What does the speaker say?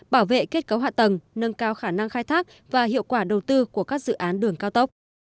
bảo vệ kết cấu hạ tầng nâng cao khả năng khai thác và hiệu quả đầu tư của các dự án đường cao tốc